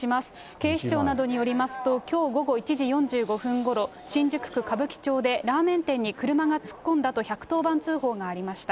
警視庁などによりますと、きょう午後１時４５分ごろ、新宿区歌舞伎町でラーメン店に車が突っ込んだと１１０番通報がありました。